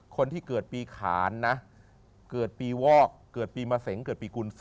คนที่เกิดปีขานนะเกิดปีวอกเกิดปีมะเสงเกิดปีกุล๔